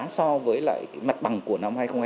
so với lại mặt bằng của năm hai nghìn hai mươi ba